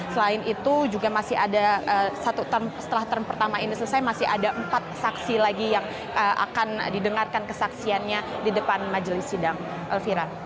selain itu juga masih ada satu term setelah term pertama ini selesai masih ada empat saksi lagi yang akan didengarkan kesaksiannya di depan majelis sidang elvira